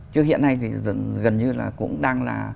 chứ hiện nay thì gần như là cũng đang là